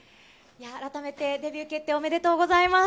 改めて、デビュー決定おめでとうございます。